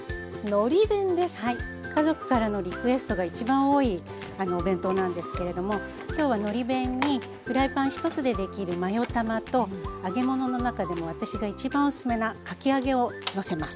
家族からのリクエストが一番多いお弁当なんですけれども今日はのり弁にフライパン１つでできるマヨ卵と揚げ物の中でも私が一番おすすめなかき揚げをのせます。